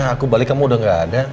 aku balik kamu udah gak ada